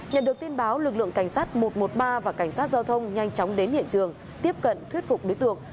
nhận được tin báo lực lượng cảnh sát một trăm một mươi ba và cảnh sát giao thông nhanh chóng đến hiện trường tiếp cận thuyết phục đối tượng